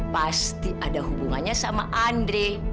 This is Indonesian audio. pasti ada hubungannya sama andre